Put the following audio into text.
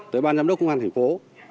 tới ban giám đốc công an thành phố